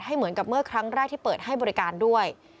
เหมือนกับเมื่อครั้งแรกที่เปิดให้บริการด้วย